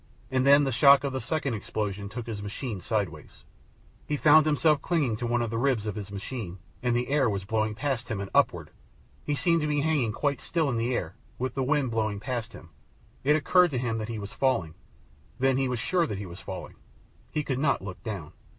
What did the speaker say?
And then the shock of the second explosion took his machine sideways. He found himself clinging to one of the ribs of his machine, and the air was blowing past him and upward. He seemed to be hanging quite still in the air, with the wind blowing up past him. It occurred to him that he was falling. Then he was sure that he was falling. He could not look down.